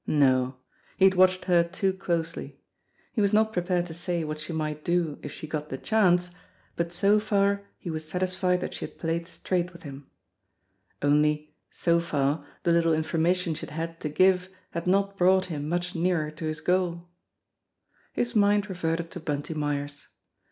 No ! He had watched her too closely. He was not prepared to say what she might do if she got the chance, but so far he was satisfied that she had played straight with him only, so far, the little information she had had to give had not brought him much nearer to his goal. His mind reverted to Bunty Myers.